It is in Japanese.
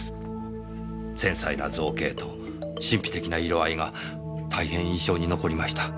繊細な造形と神秘的な色合いが大変印象に残りました。